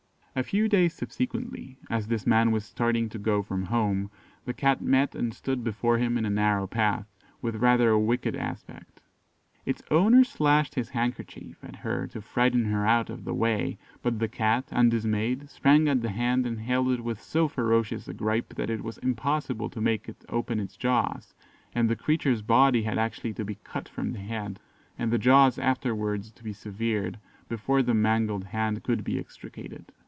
"A few days subsequently, as this man was starting to go from home, the Cat met and stood before him in a narrow path, with rather a wicked aspect. Its owner slashed his handkerchief at her to frighten her out of the way, but the Cat, undismayed, sprang at the hand, and held it with so ferocious a gripe, that it was impossible to make it open its jaws, and the creature's body had actually to be cut from the head, and the jaws afterwards to be severed, before the mangled hand could be extricated.